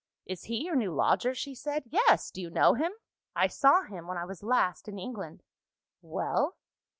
"Is he your new lodger?" she said. "Yes. Do you know him?" "I saw him when I was last in England." "Well?"